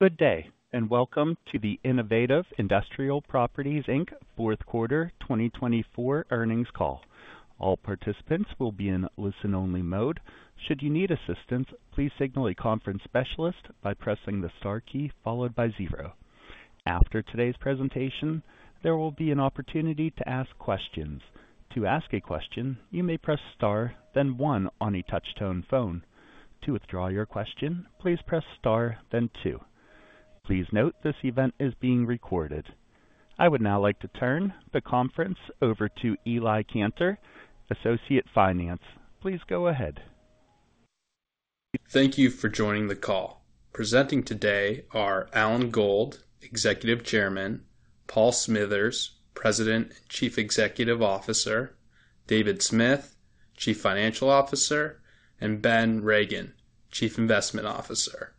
Good day, and welcome to the Innovative Industrial Properties, Inc. Fourth Quarter 2024 earnings call. All participants will be in listen-only mode. Should you need assistance, please signal a conference specialist by pressing the star key followed by zero. After today's presentation, there will be an opportunity to ask questions. To ask a question, you may press star, then one on a touch-tone phone. To withdraw your question, please press star, then two. Please note this event is being recorded. I would now like to turn the conference over to Eli Kanter, Associate Finance. Please go ahead. Thank you for joining the call. Presenting today are Alan Gold, Executive Chairman, Paul Smithers, President and Chief Executive Officer, David Smith, Chief Financial Officer, and Ben Regin, Chief Investment Officer.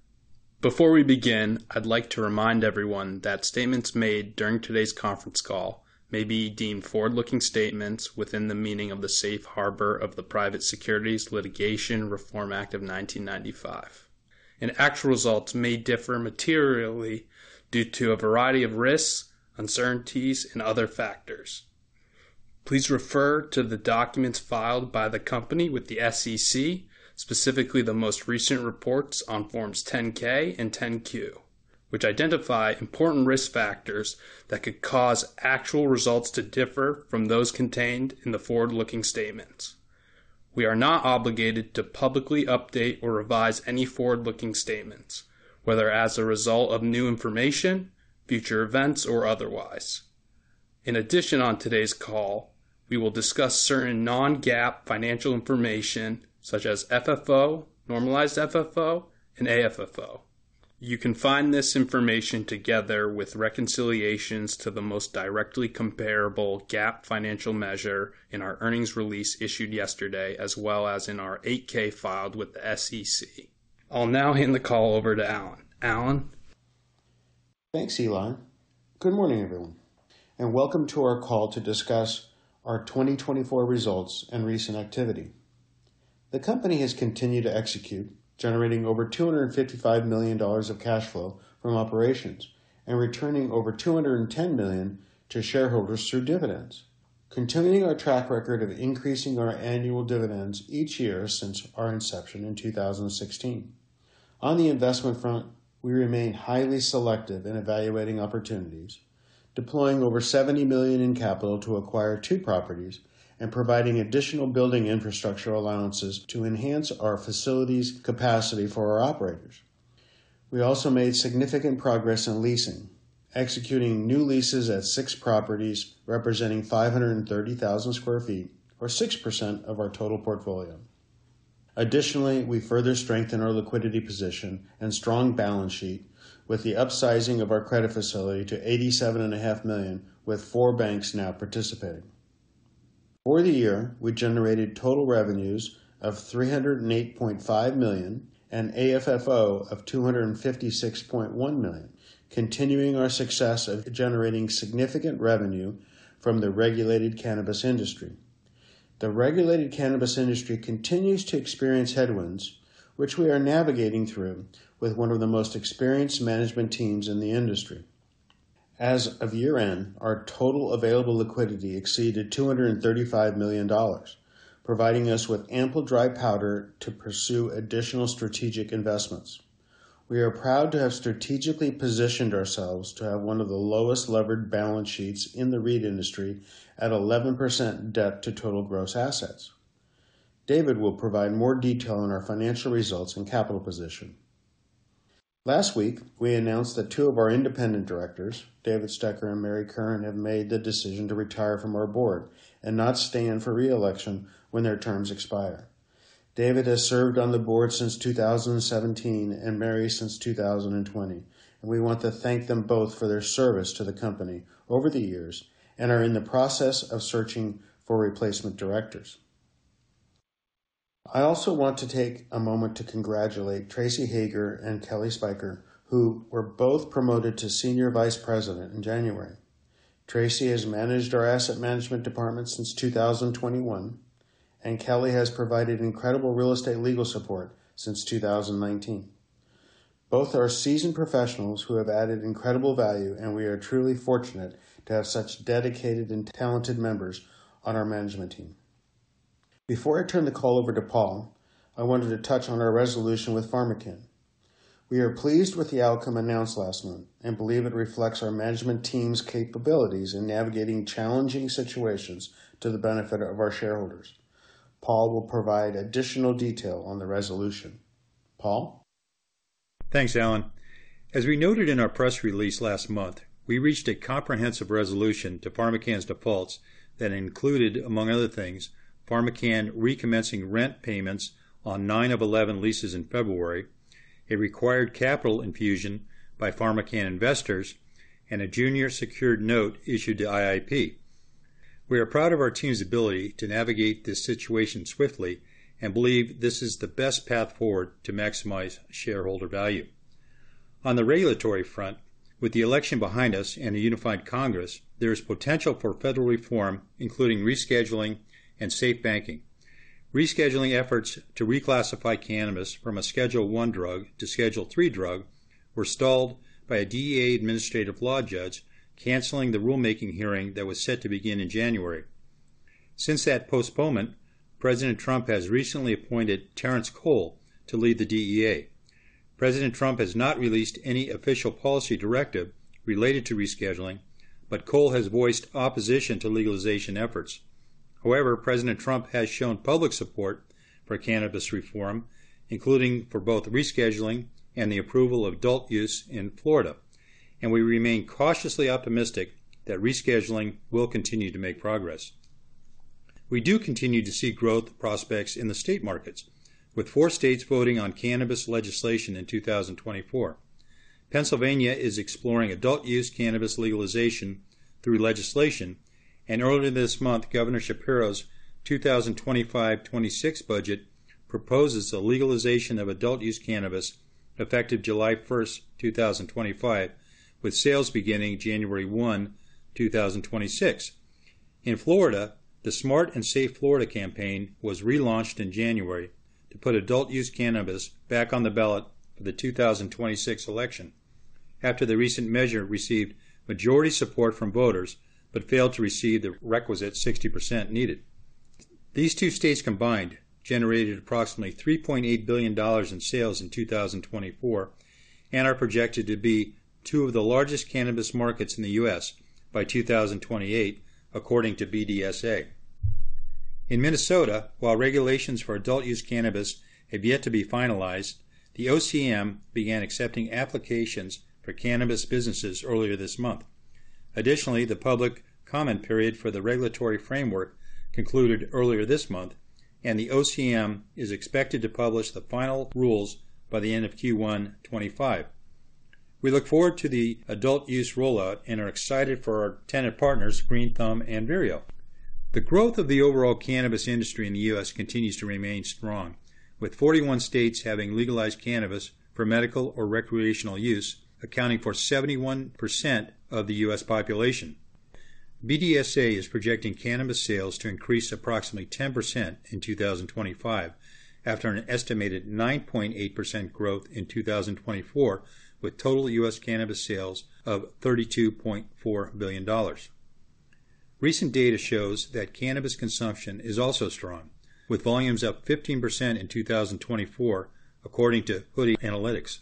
Before we begin, I'd like to remind everyone that statements made during today's conference call may be deemed forward-looking statements within the meaning of the safe harbor of the Private Securities Litigation Reform Act of 1995, and actual results may differ materially due to a variety of risks, uncertainties, and other factors. Please refer to the documents filed by the company with the SEC, specifically the most recent reports on Forms 10-K and 10-Q, which identify important risk factors that could cause actual results to differ from those contained in the forward-looking statements. We are not obligated to publicly update or revise any forward-looking statements, whether as a result of new information, future events, or otherwise. In addition, on today's call, we will discuss certain non-GAAP financial information such as FFO, normalized FFO, and AFFO. You can find this information together with reconciliations to the most directly comparable GAAP financial measure in our earnings release issued yesterday, as well as in our 8-K filed with the SEC. I'll now hand the call over to Alan. Alan. Thanks, Eli. Good morning, everyone, and welcome to our call to discuss our 2024 results and recent activity. The company has continued to execute, generating over $255 million of cash flow from operations and returning over $210 million to shareholders through dividends, continuing our track record of increasing our annual dividends each year since our inception in 2016. On the investment front, we remain highly selective in evaluating opportunities, deploying over $70 million in capital to acquire two properties and providing additional building infrastructure allowances to enhance our facilities' capacity for our operators. We also made significant progress in leasing, executing new leases at six properties representing 530,000 sq ft, or 6% of our total portfolio. Additionally, we further strengthened our liquidity position and strong balance sheet with the upsizing of our credit facility to $87.5 million, with four banks now participating. For the year, we generated total revenues of $308.5 million and AFFO of $256.1 million, continuing our success of generating significant revenue from the regulated cannabis industry. The regulated cannabis industry continues to experience headwinds, which we are navigating through with one of the most experienced management teams in the industry. As of year-end, our total available liquidity exceeded $235 million, providing us with ample dry powder to pursue additional strategic investments. We are proud to have strategically positioned ourselves to have one of the lowest-leveraged balance sheets in the REIT industry at 11% debt to total gross assets. David will provide more detail on our financial results and capital position. Last week, we announced that two of our independent directors, David Stecher and Mary Curran, have made the decision to retire from our board and not stand for reelection when their terms expire. David has served on the board since 2017 and Mary since 2020, and we want to thank them both for their service to the company over the years and are in the process of searching for replacement directors. I also want to take a moment to congratulate Tracie Hager and Kelly Spiker, who were both promoted to Senior Vice President in January. Tracie has managed our asset management department since 2021, and Kelly has provided incredible real estate legal support since 2019. Both are seasoned professionals who have added incredible value, and we are truly fortunate to have such dedicated and talented members on our management team. Before I turn the call over to Paul, I wanted to touch on our resolution with PharmaCann. We are pleased with the outcome announced last month and believe it reflects our management team's capabilities in navigating challenging situations to the benefit of our shareholders. Paul will provide additional detail on the resolution. Paul? Thanks, Alan. As we noted in our press release last month, we reached a comprehensive resolution to PharmaCann's defaults that included, among other things, PharmaCann recommencing rent payments on nine of 11 leases in February, a required capital infusion by PharmaCann investors, and a junior secured note issued to IIP. We are proud of our team's ability to navigate this situation swiftly and believe this is the best path forward to maximize shareholder value. On the regulatory front, with the election behind us and a unified Congress, there is potential for federal reform, including rescheduling and SAFE Banking. Rescheduling efforts to reclassify cannabis from a Schedule I drug to Schedule III drug were stalled by a DEA administrative law judge canceling the rulemaking hearing that was set to begin in January. Since that postponement, President Trump has recently appointed Terrence Cole to lead the DEA. President Trump has not released any official policy directive related to rescheduling, but Cole has voiced opposition to legalization efforts. However, President Trump has shown public support for cannabis reform, including for both rescheduling and the approval of adult-use cannabis in Florida, and we remain cautiously optimistic that rescheduling will continue to make progress. We do continue to see growth prospects in the state markets, with four states voting on cannabis legislation in 2024. Pennsylvania is exploring adult-use cannabis legalization through legislation, and earlier this month, Governor Shapiro's 2025-26 budget proposes a legalization of adult-use cannabis effective July 1, 2025, with sales beginning January 1, 2026. In Florida, the Smart & Safe Florida campaign was relaunched in January to put adult-use cannabis back on the ballot for the 2026 election, after the recent measure received majority support from voters but failed to receive the requisite 60% needed. These two states combined generated approximately $3.8 billion in sales in 2024 and are projected to be two of the largest cannabis markets in the U.S. by 2028, according to BDSA. In Minnesota, while regulations for adult-use cannabis have yet to be finalized, the OCM began accepting applications for cannabis businesses earlier this month. Additionally, the public comment period for the regulatory framework concluded earlier this month, and the OCM is expected to publish the final rules by the end of Q1-25. We look forward to the adult-use rollout and are excited for our tenant partners, Green Thumb and Vireo. The growth of the overall cannabis industry in the U.S. continues to remain strong, with 41 states having legalized cannabis for medical or recreational use, accounting for 71% of the U.S. population. BDSA is projecting cannabis sales to increase approximately 10% in 2025, after an estimated 9.8% growth in 2024, with total U.S. cannabis sales of $32.4 billion. Recent data shows that cannabis consumption is also strong, with volumes up 15% in 2024, according to Hoodie Analytics.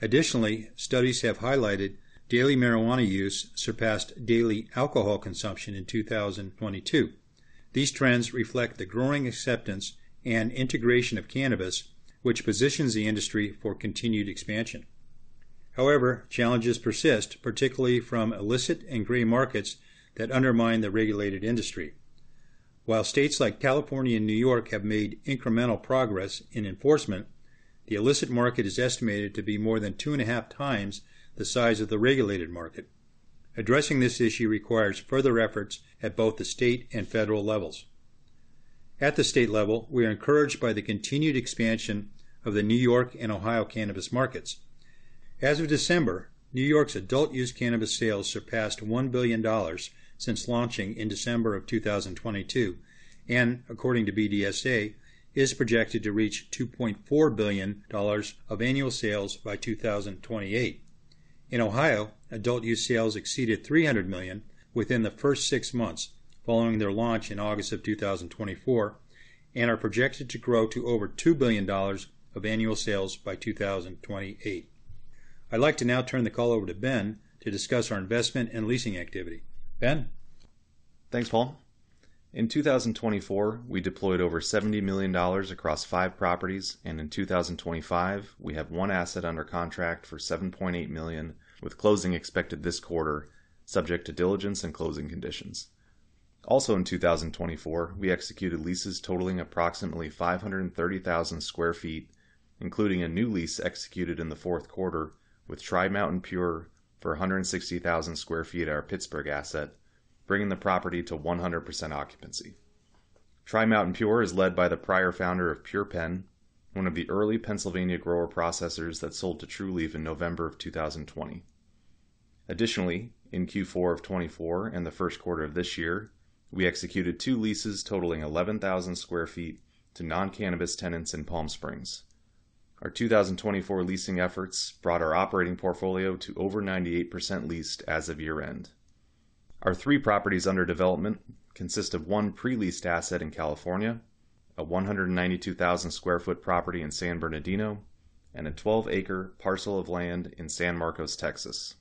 Additionally, studies have highlighted daily marijuana use surpassed daily alcohol consumption in 2022. These trends reflect the growing acceptance and integration of cannabis, which positions the industry for continued expansion. However, challenges persist, particularly from illicit and gray markets that undermine the regulated industry. While states like California and New York have made incremental progress in enforcement, the illicit market is estimated to be more than two and a half times the size of the regulated market. Addressing this issue requires further efforts at both the state and federal levels. At the state level, we are encouraged by the continued expansion of the New York and Ohio cannabis markets. As of December, New York's adult use cannabis sales surpassed $1 billion since launching in December of 2022 and, according to BDSA, is projected to reach $2.4 billion of annual sales by 2028. In Ohio, adult use sales exceeded $300 million within the first six months following their launch in August of 2024 and are projected to grow to over $2 billion of annual sales by 2028. I'd like to now turn the call over to Ben to discuss our investment and leasing activity. Ben? Thanks, Paul. In 2024, we deployed over $70 million across five properties, and in 2025, we have one asset under contract for $7.8 million, with closing expected this quarter, subject to diligence and closing conditions. Also, in 2024, we executed leases totaling approximately 530,000 sq ft, including a new lease executed in the fourth quarter with Tri-Mountain Pure for 160,000 sq ft at our Pittsburgh asset, bringing the property to 100% occupancy. Tri-Mountain Pure is led by the prior founder of PurePenn, one of the early Pennsylvania grower-processors that sold to Trulieve in November of 2020. Additionally, in Q4 of 2024 and the first quarter of this year, we executed two leases totaling 11,000 sq ft to non-cannabis tenants in Palm Springs. Our 2024 leasing efforts brought our operating portfolio to over 98% leased as of year-end. Our three properties under development consist of one pre-leased asset in California, a 192,000 sq ft property in San Bernardino, and a 12-acre parcel of land in San Marcos, Texas.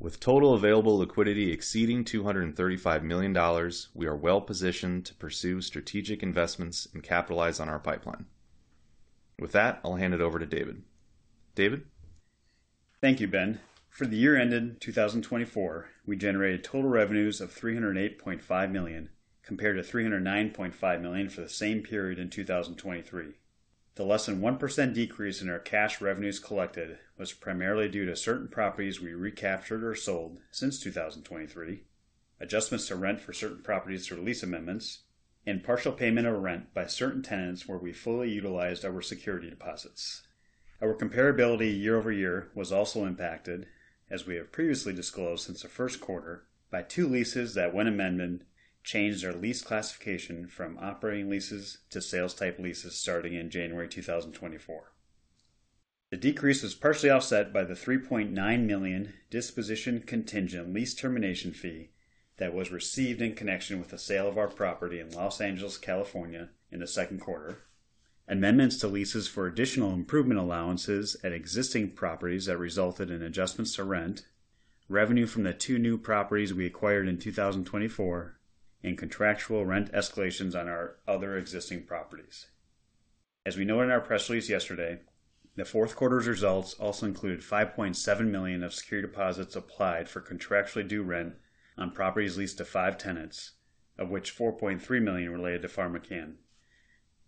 With total available liquidity exceeding $235 million, we are well-positioned to pursue strategic investments and capitalize on our pipeline. With that, I'll hand it over to David. David? Thank you, Ben. For the year-end in 2024, we generated total revenues of $308.5 million, compared to $309.5 million for the same period in 2023. The less than 1% decrease in our cash revenues collected was primarily due to certain properties we recaptured or sold since 2023, adjustments to rent for certain properties through lease amendments, and partial payment of rent by certain tenants where we fully utilized our security deposits. Our comparability year-over-year was also impacted, as we have previously disclosed since the first quarter, by two leases that, when amended, changed our lease classification from operating leases to sales-type leases starting in January 2024. The decrease was partially offset by the $3.9 million disposition contingent lease termination fee that was received in connection with the sale of our property in Los Angeles, California, in the second quarter, amendments to leases for additional improvement allowances at existing properties that resulted in adjustments to rent, revenue from the two new properties we acquired in 2024, and contractual rent escalations on our other existing properties. As we noted in our press release yesterday, the fourth quarter's results also included $5.7 million of security deposits applied for contractually due rent on properties leased to five tenants, of which $4.3 million related to PharmaCann.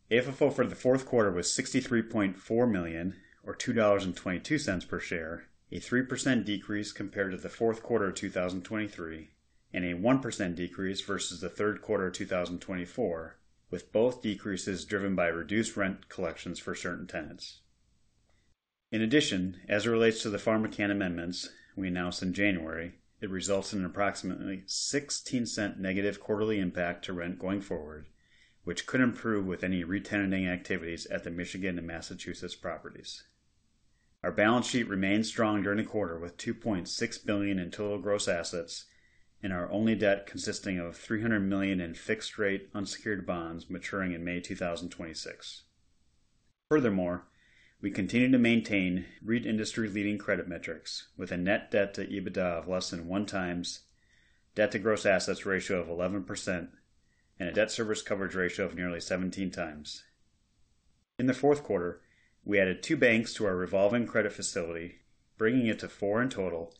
AFFO for the fourth quarter was $63.4 million, or $2.22 per share, a 3% decrease compared to the fourth quarter of 2023, and a 1% decrease versus the third quarter of 2024, with both decreases driven by reduced rent collections for certain tenants. In addition, as it relates to the PharmaCann amendments we announced in January, it results in an approximately 16% negative quarterly impact to rent going forward, which could improve with any retention activities at the Michigan and Massachusetts properties. Our balance sheet remained strong during the quarter with $2.6 billion in total gross assets and our only debt consisting of $300 million in fixed-rate unsecured bonds maturing in May 2026. Furthermore, we continue to maintain REIT industry-leading credit metrics, with a net debt to EBITDA of less than one times, debt to gross assets ratio of 11%, and a debt service coverage ratio of nearly 17 times. In the fourth quarter, we added two banks to our revolving credit facility, bringing it to four in total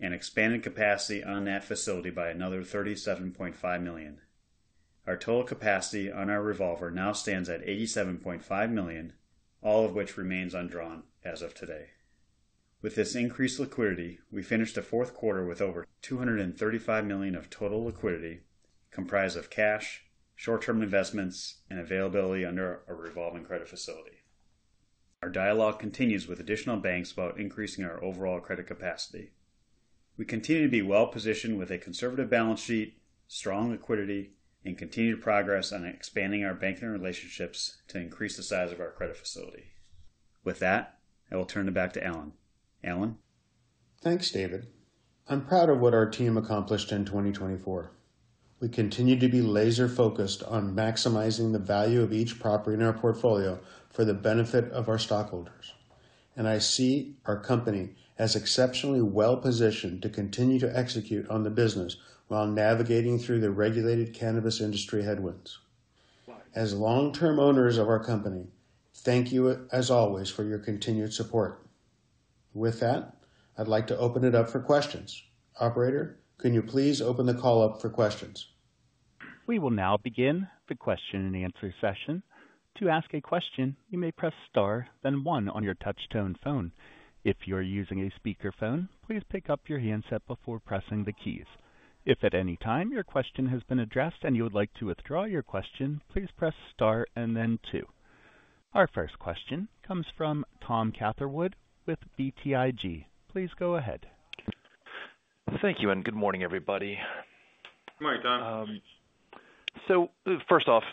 and expanding capacity on that facility by another $37.5 million. Our total capacity on our revolver now stands at $87.5 million, all of which remains undrawn as of today. With this increased liquidity, we finished the fourth quarter with over $235 million of total liquidity, comprised of cash, short-term investments, and availability under our revolving credit facility. Our dialogue continues with additional banks about increasing our overall credit capacity. We continue to be well-positioned with a conservative balance sheet, strong liquidity, and continued progress on expanding our banking relationships to increase the size of our credit facility. With that, I will turn it back to Alan. Alan? Thanks, David. I'm proud of what our team accomplished in 2024. We continue to be laser-focused on maximizing the value of each property in our portfolio for the benefit of our stockholders, and I see our company as exceptionally well-positioned to continue to execute on the business while navigating through the regulated cannabis industry headwinds. As long-term owners of our company, thank you, as always, for your continued support. With that, I'd like to open it up for questions. Operator, can you please open the call up for questions? We will now begin the question-and-answer session. To ask a question, you may press star, then one on your touch-tone phone. If you are using a speakerphone, please pick up your handset before pressing the keys. If at any time your question has been addressed and you would like to withdraw your question, please press star and then two. Our first question comes from Tom Catherwood with BTIG. Please go ahead. Thank you, and good morning, everybody. Good morning, Tom. So first off,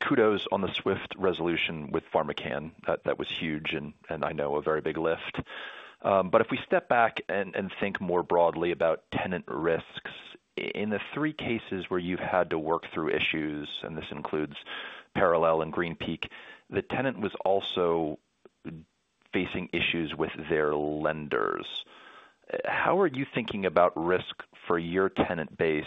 kudos on the swift resolution with PharmaCann. That was huge, and I know a very big lift. But if we step back and think more broadly about tenant risks, in the three cases where you've had to work through issues, and this includes Parallel and Green Peak, the tenant was also facing issues with their lenders. How are you thinking about risk for your tenant base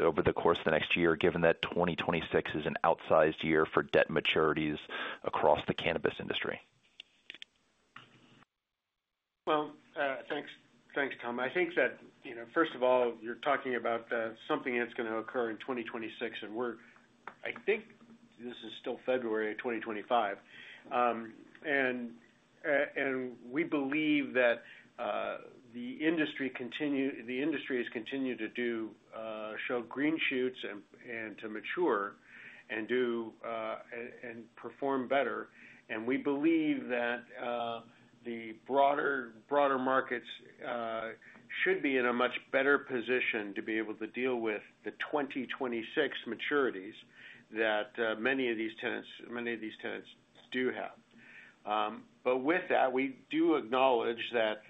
over the course of the next year, given that 2026 is an outsized year for debt maturities across the cannabis industry? Well, thanks, Tom. I think that, first of all, you're talking about something that's going to occur in 2026, and we're, I think this is still February of 2025. And we believe that the industry has continued to show green shoots and to mature and perform better. And we believe that the broader markets should be in a much better position to be able to deal with the 2026 maturities that many of these tenants do have. But with that, we do acknowledge that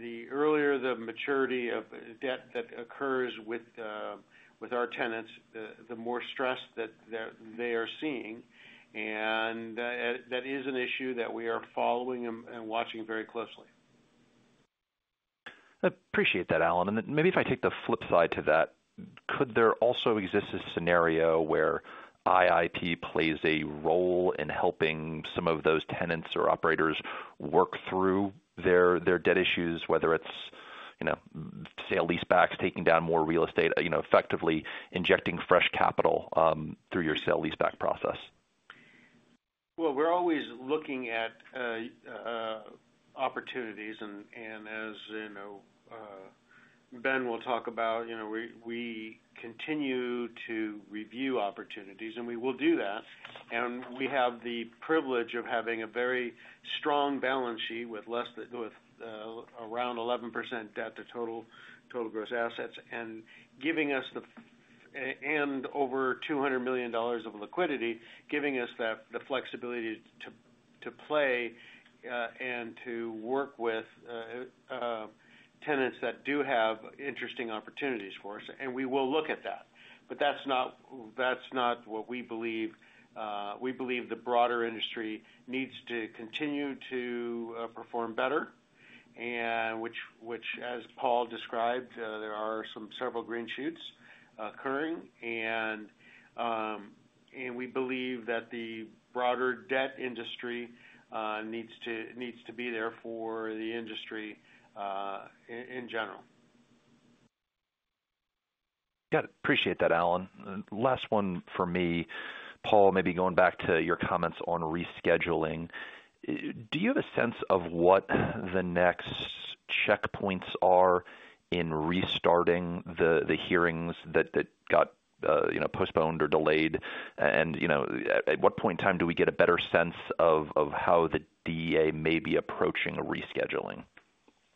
the earlier the maturity of debt that occurs with our tenants, the more stress that they are seeing. And that is an issue that we are following and watching very closely. I appreciate that, Alan, and maybe if I take the flip side to that, could there also exist a scenario where IIP plays a role in helping some of those tenants or operators work through their debt issues, whether it's sale-leasebacks, taking down more real estate, effectively injecting fresh capital through your sale-leaseback process? We're always looking at opportunities, and as Ben will talk about, we continue to review opportunities, and we will do that. We have the privilege of having a very strong balance sheet with around 11% debt to total gross assets and over $200 million of liquidity, giving us the flexibility to play and to work with tenants that do have interesting opportunities for us. We will look at that. But that's not what we believe. We believe the broader industry needs to continue to perform better, which, as Paul described, there are several green shoots occurring. We believe that the broader real estate industry needs to be there for the industry in general. Got it. Appreciate that, Alan. Last one for me, Paul, maybe going back to your comments on rescheduling. Do you have a sense of what the next checkpoints are in restarting the hearings that got postponed or delayed? And at what point in time do we get a better sense of how the DEA may be approaching rescheduling?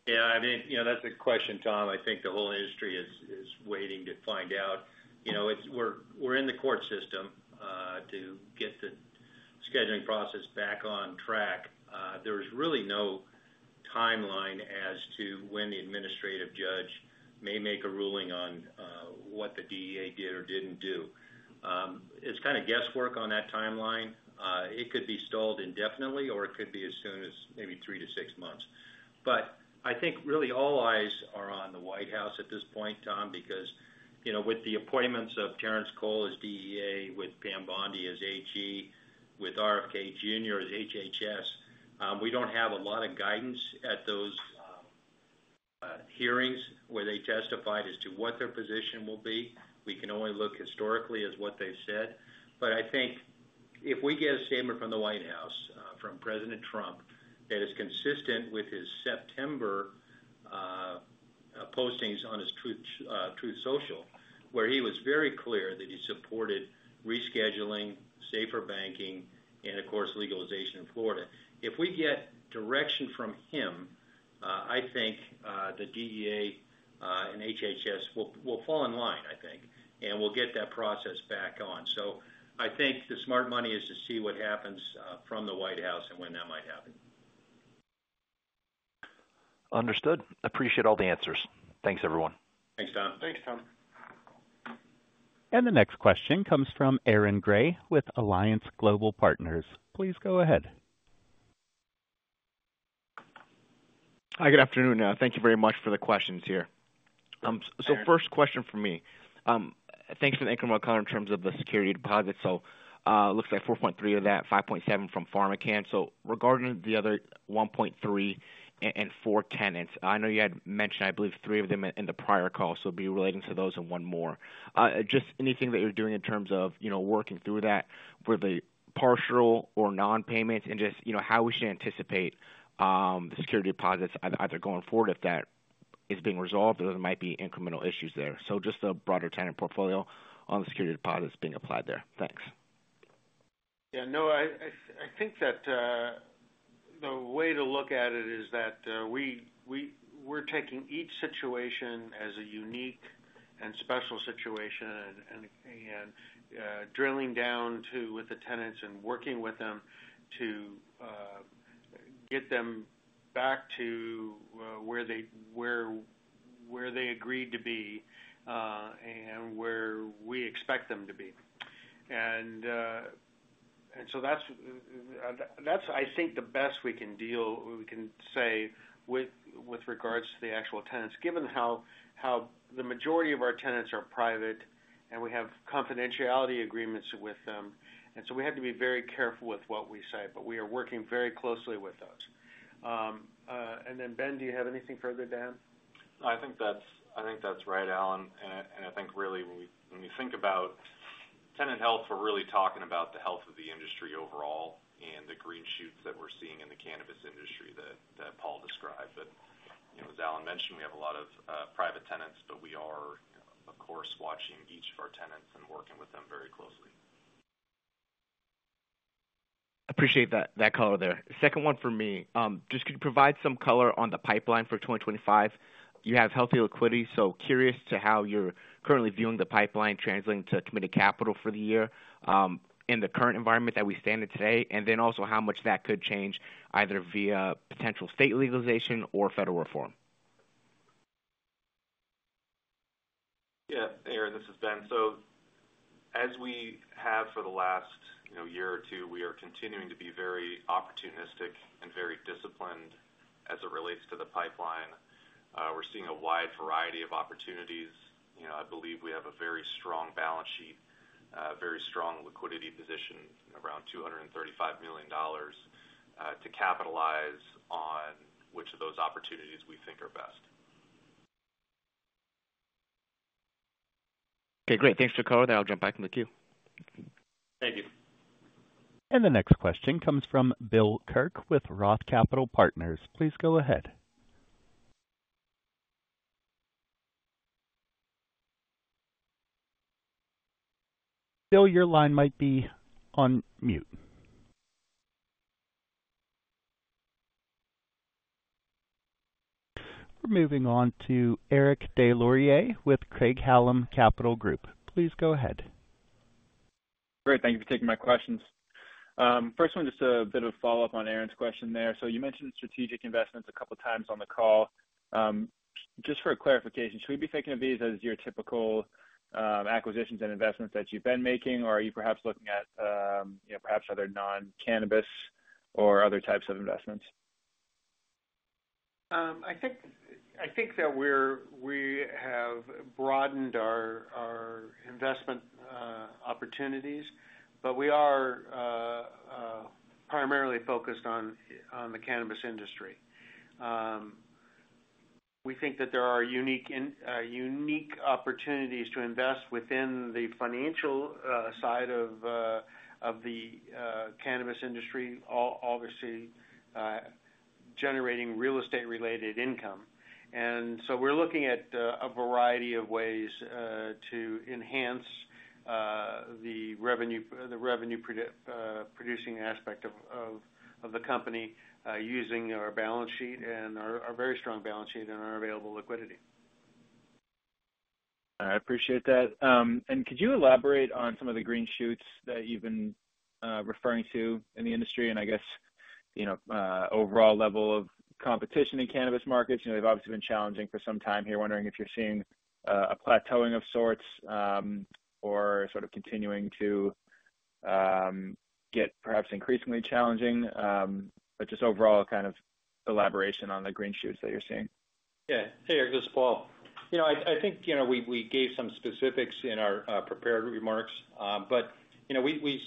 Yeah. I mean, that's a question, Tom. I think the whole industry is waiting to find out. We're in the court system to get the scheduling process back on track. There's really no timeline as to when the administrative judge may make a ruling on what the DEA did or didn't do. It's kind of guesswork on that timeline. It could be stalled indefinitely, or it could be as soon as maybe three to six months. But I think really all eyes are on the White House at this point, Tom, because with the appointments of Terrence Cole as DEA, with Pam Bondi as AG, with RFK Jr. as HHS, we don't have a lot of guidance at those hearings where they testified as to what their position will be. We can only look historically at what they've said. But I think if we get a statement from the White House, from President Trump, that is consistent with his September postings on his Truth Social, where he was very clear that he supported rescheduling, SAFER Banking, and, of course, legalization in Florida, if we get direction from him, I think the DEA and HHS will fall in line, I think, and we'll get that process back on. So I think the smart money is to see what happens from the White House and when that might happen. Understood. Appreciate all the answers. Thanks, everyone. Thanks, Tom. Thanks, Tom. The next question comes from Aaron Grey with Alliance Global Partners. Please go ahead. Hi, good afternoon. Thank you very much for the questions here. So first question for me, thanks for the income recall in terms of the security deposits. So it looks like $4.3 of that, $5.7 from PharmaCann. So regarding the other $1.3 and four tenants, I know you had mentioned, I believe, three of them in the prior call, so it'd be relating to those and one more. Just anything that you're doing in terms of working through that for the partial or non-payments and just how we should anticipate the security deposits either going forward if that is being resolved or there might be incremental issues there. So just the broader tenant portfolio on the security deposits being applied there. Thanks. Yeah. No, I think that the way to look at it is that we're taking each situation as a unique and special situation and drilling down with the tenants and working with them to get them back to where they agreed to be and where we expect them to be. And so that's, I think, the best we can say with regards to the actual tenants, given how the majority of our tenants are private and we have confidentiality agreements with them. And so we have to be very careful with what we say, but we are working very closely with those. And then, Ben, do you have anything further, Dan? I think that's right, Alan. And I think, really, when we think about tenant health, we're really talking about the health of the industry overall and the green shoots that we're seeing in the cannabis industry that Paul described. But as Alan mentioned, we have a lot of private tenants, but we are, of course, watching each of our tenants and working with them very closely. Appreciate that color there. Second one for me, just could you provide some color on the pipeline for 2025? You have healthy liquidity, so curious as to how you're currently viewing the pipeline translating to committed capital for the year in the current environment that we stand in today, and then also how much that could change either via potential state legalization or federal reform? Yeah. Aaron, this is Ben. So as we have for the last year or two, we are continuing to be very opportunistic and very disciplined as it relates to the pipeline. We're seeing a wide variety of opportunities. I believe we have a very strong balance sheet, very strong liquidity position around $235 million to capitalize on which of those opportunities we think are best. Okay. Great. Thanks for the call. I'll jump back in with you. Thank you. And the next question comes from Bill Kirk with Roth Capital Partners. Please go ahead. Bill, your line might be on mute. We're moving on to Eric Des Lauriers with Craig-Hallum Capital Group. Please go ahead. Great. Thank you for taking my questions. First one, just a bit of a follow-up on Aaron's question there. So you mentioned strategic investments a couple of times on the call. Just for clarification, should we be thinking of these as your typical acquisitions and investments that you've been making, or are you perhaps looking at perhaps other non-cannabis or other types of investments? I think that we have broadened our investment opportunities, but we are primarily focused on the cannabis industry. We think that there are unique opportunities to invest within the financial side of the cannabis industry, obviously generating real estate-related income, and so we're looking at a variety of ways to enhance the revenue-producing aspect of the company using our balance sheet and our very strong balance sheet and our available liquidity. I appreciate that, and could you elaborate on some of the green shoots that you've been referring to in the industry and, I guess, overall level of competition in cannabis markets? They've obviously been challenging for some time here. Wondering if you're seeing a plateauing of sorts or sort of continuing to get perhaps increasingly challenging, but just overall kind of elaboration on the green shoots that you're seeing. Yeah. Hey, this is Paul. I think we gave some specifics in our prepared remarks, but we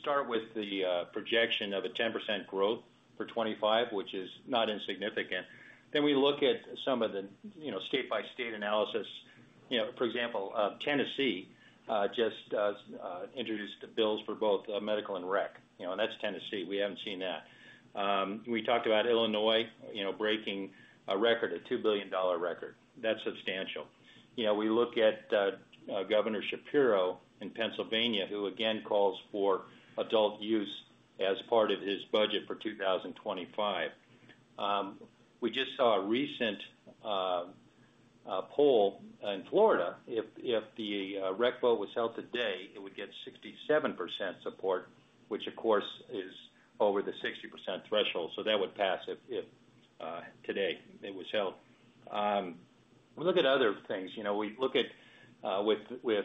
start with the projection of a 10% growth for 2025, which is not insignificant. Then we look at some of the state-by-state analysis. For example, Tennessee just introduced bills for both medical and rec, and that's Tennessee. We haven't seen that. We talked about Illinois breaking a record, a $2 billion record. That's substantial. We look at Governor Shapiro in Pennsylvania, who again calls for adult use as part of his budget for 2025. We just saw a recent poll in Florida. If the rec vote was held today, it would get 67% support, which, of course, is over the 60% threshold. So that would pass if today it was held. We look at other things. We look at, with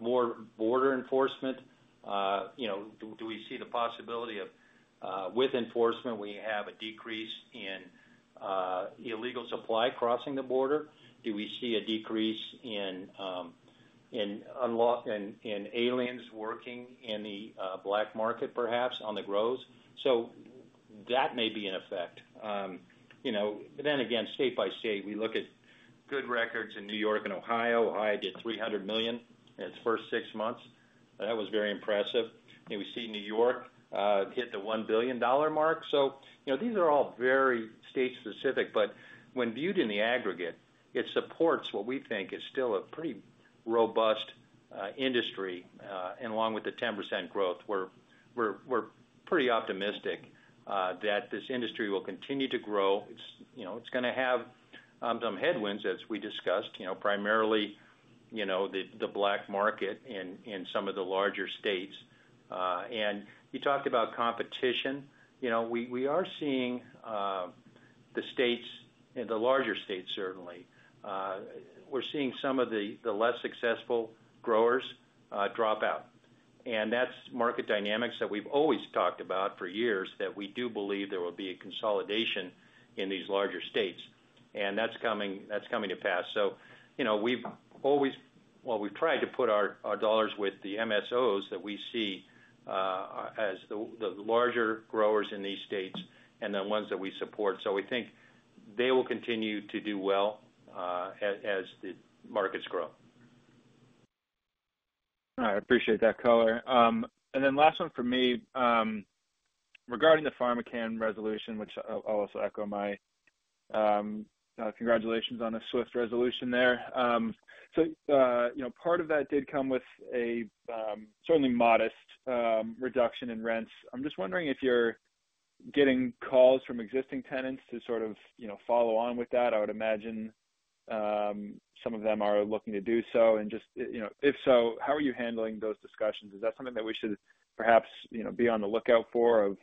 more border enforcement, do we see the possibility of, with enforcement, we have a decrease in illegal supply crossing the border? Do we see a decrease in aliens working in the black market, perhaps, on the grows? So that may be an effect. But then again, state by state, we look at good records in New York and Ohio. Ohio did $300 million in its first six months. That was very impressive. We see New York hit the $1 billion mark. So these are all very state-specific, but when viewed in the aggregate, it supports what we think is still a pretty robust industry. And along with the 10% growth, we're pretty optimistic that this industry will continue to grow. It's going to have some headwinds, as we discussed, primarily the black market in some of the larger states. And you talked about competition. We are seeing the states and the larger states, certainly. We're seeing some of the less successful growers drop out. And that's market dynamics that we've always talked about for years, that we do believe there will be a consolidation in these larger states. And that's coming to pass. So we've always, well, tried to put our dollars with the MSOs that we see as the larger growers in these states and the ones that we support. So we think they will continue to do well as the markets grow. All right. Appreciate that color. And then last one for me, regarding the PharmaCann resolution, which I'll also echo my congratulations on a swift resolution there. So part of that did come with a certainly modest reduction in rents. I'm just wondering if you're getting calls from existing tenants to sort of follow on with that. I would imagine some of them are looking to do so. And just if so, how are you handling those discussions? Is that something that we should perhaps be on the lookout for, of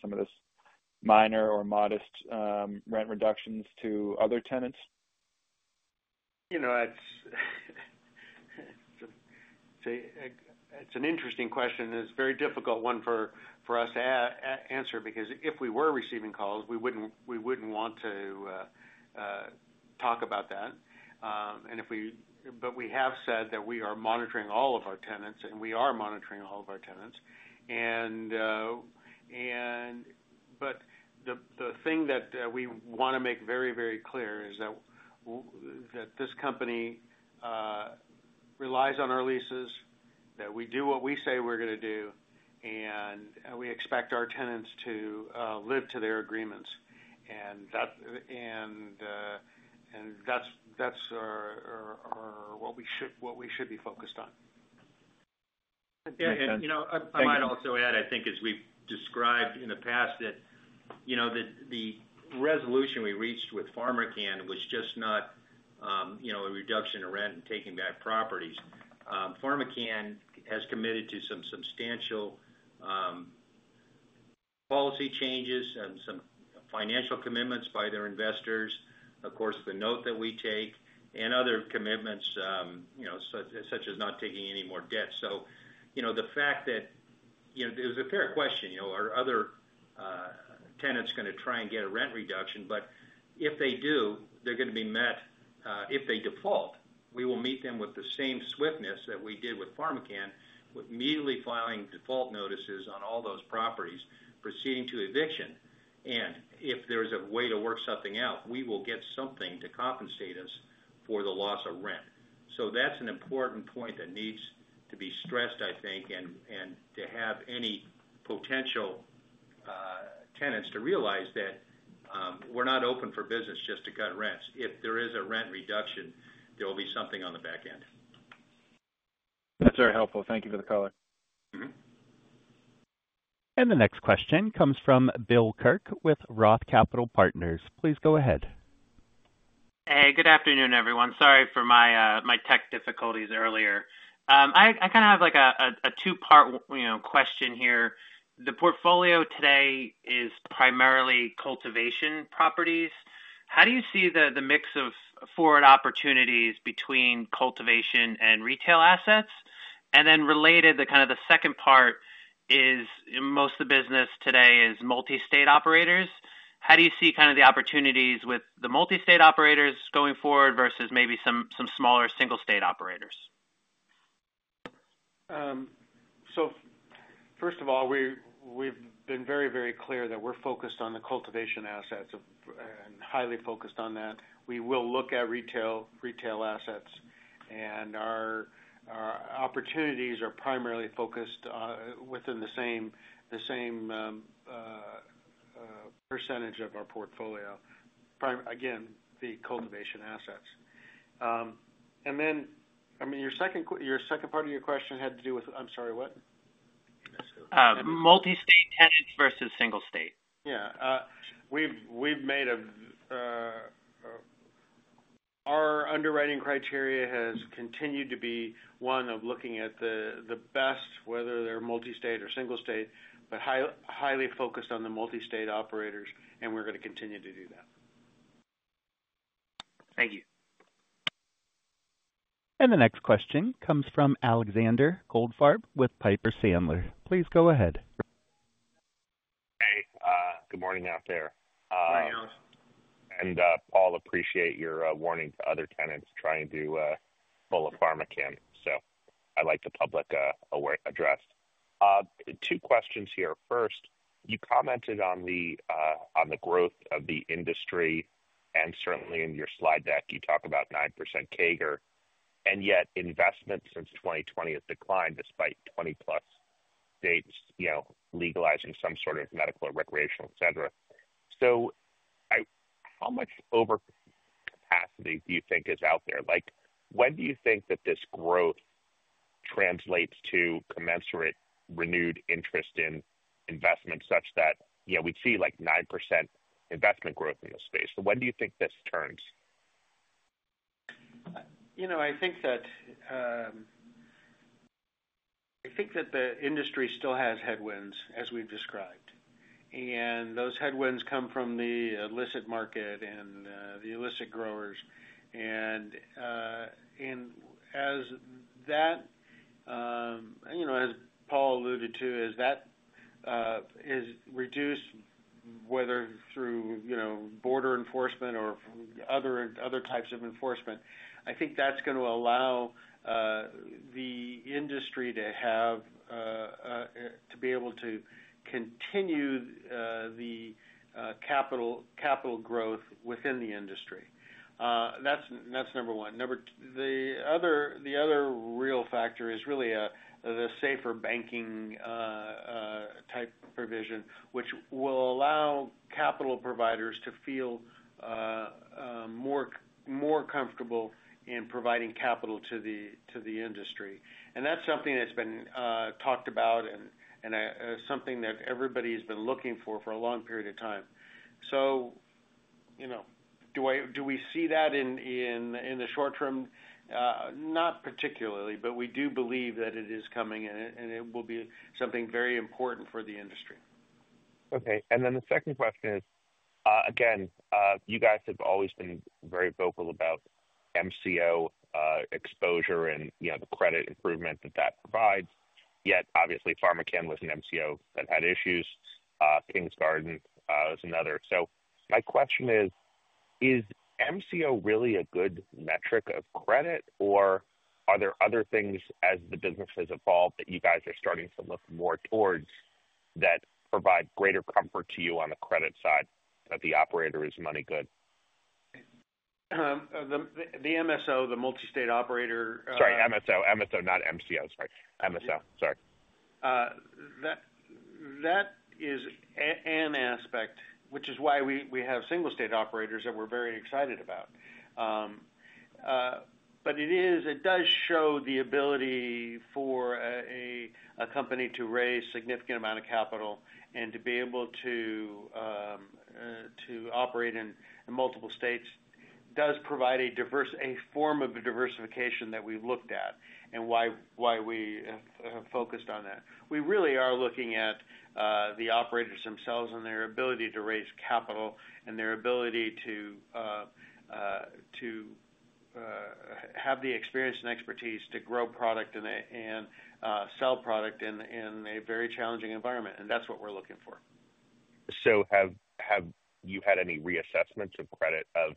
some of this minor or modest rent reductions to other tenants? It's an interesting question. It's a very difficult one for us to answer because if we were receiving calls, we wouldn't want to talk about that. But we have said that we are monitoring all of our tenants, and we are monitoring all of our tenants. But the thing that we want to make very, very clear is that this company relies on our leases, that we do what we say we're going to do, and we expect our tenants to live to their agreements. And that's what we should be focused on. Yeah. And. I might also add, I think, as we've described in the past, that the resolution we reached with PharmaCann was just not a reduction in rent and taking back properties. PharmaCann has committed to some substantial policy changes and some financial commitments by their investors, of course, the note that we take, and other commitments such as not taking any more debt. The fact that it was a fair question: Are other tenants going to try and get a rent reduction? But if they do, they're going to be met. If they default, we will meet them with the same swiftness that we did with PharmaCann, immediately filing default notices on all those properties proceeding to eviction. If there is a way to work something out, we will get something to compensate us for the loss of rent. So that's an important point that needs to be stressed, I think, and to have any potential tenants realize that we're not open for business just to cut rents. If there is a rent reduction, there will be something on the back end. That's very helpful. Thank you for the color. Mm-hmm. The next question comes from Bill Kirk with Roth Capital Partners. Please go ahead. Hey, good afternoon, everyone. Sorry for my tech difficulties earlier. I kind of have a two-part question here. The portfolio today is primarily cultivation properties. How do you see the mix of forward opportunities between cultivation and retail assets? And then, related, kind of the second part is most of the business today is multi-state operators. How do you see kind of the opportunities with the multi-state operators going forward versus maybe some smaller single-state operators? So first of all, we've been very, very clear that we're focused on the cultivation assets and highly focused on that. We will look at retail assets, and our opportunities are primarily focused within the same percentage of our portfolio, again, the cultivation assets. And then, I mean, your second part of your question had to do with, I'm sorry, what? Multi-state tenants versus single-state? Yeah. Our underwriting criteria has continued to be one of looking at the best, whether they're multi-state or single-state, but highly focused on the multi-state operators, and we're going to continue to do that. Thank you. The next question comes from Alexander Goldfarb with Piper Sandler. Please go ahead. Hey. Good morning out there. Paul, I appreciate your warning to other tenants trying to pull a PharmaCann. So I like the public address. Two questions here. First, you commented on the growth of the industry, and certainly in your slide deck, you talk about 9% CAGR. Yet investment since 2020 has declined despite 20-plus states legalizing some sort of medical or recreational, etc. So how much overcapacity do you think is out there? When do you think that this growth translates to commensurate renewed interest in investment such that we see 9% investment growth in this space? When do you think this turns? I think that the industry still has headwinds, as we've described. And those headwinds come from the illicit market and the illicit growers. And as that, as Paul alluded to, as that is reduced, whether through border enforcement or other types of enforcement, I think that's going to allow the industry to be able to continue the capital growth within the industry. That's number one. The other real factor is really the SAFER banking-type provision, which will allow capital providers to feel more comfortable in providing capital to the industry. And that's something that's been talked about and something that everybody has been looking for for a long period of time. So do we see that in the short term? Not particularly, but we do believe that it is coming, and it will be something very important for the industry. Okay. And then the second question is, again, you guys have always been very vocal about MSO exposure and the credit improvement that that provides. Yet, obviously, PharmaCann was an MSO that had issues. Kings Garden was another. So my question is, is MSO really a good metric of credit, or are there other things as the business has evolved that you guys are starting to look more towards that provide greater comfort to you on the credit side that the operator is money good? The MSO, the multi-state operator. Sorry. MSO, not MCO. Sorry. That is an aspect, which is why we have single-state operators that we're very excited about. But it does show the ability for a company to raise a significant amount of capital and to be able to operate in multiple states does provide a form of diversification that we've looked at and why we have focused on that. We really are looking at the operators themselves and their ability to raise capital and their ability to have the experience and expertise to grow product and sell product in a very challenging environment, and that's what we're looking for. So have you had any reassessments of credit of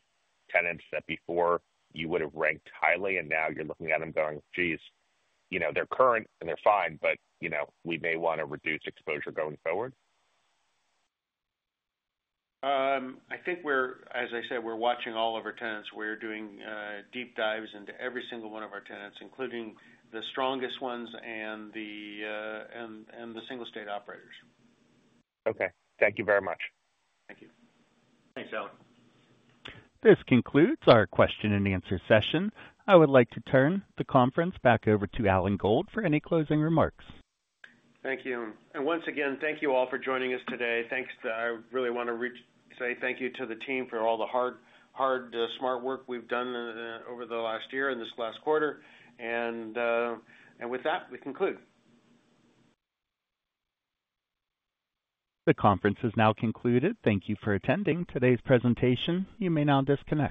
tenants that before you would have ranked highly, and now you're looking at them going, "Geez, they're current and they're fine, but we may want to reduce exposure going forward"? I think, as I said, we're watching all of our tenants. We're doing deep dives into every single one of our tenants, including the strongest ones and the single-state operators. Okay. Thank you very much. Thank you. Thanks, Alan. This concludes our question-and-answer session. I would like to turn the conference back over to Alan Gold for any closing remarks. Thank you. And once again, thank you all for joining us today. I really want to say thank you to the team for all the hard, smart work we've done over the last year and this last quarter. And with that, we conclude. The conference has now concluded. Thank you for attending today's presentation. You may now disconnect.